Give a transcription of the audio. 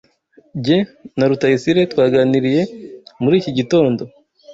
Jye na Rutayisire twaganiriye muri iki gitondo.